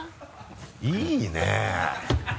いいね。